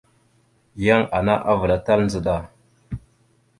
Yan ana avəlatal ndzəɗa.